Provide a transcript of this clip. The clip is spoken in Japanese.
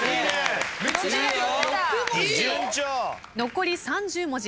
残り３０文字。